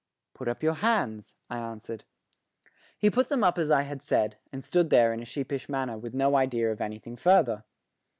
"Put up your hands," I answered. He put them up as I had said, and stood there in a sheepish manner with no idea of anything further.